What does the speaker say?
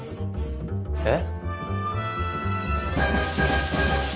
えっ？